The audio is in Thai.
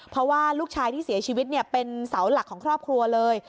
เพราะว่าลูกชายที่เสียชีวิตเป็นเสาหลักของครอบครัวเลย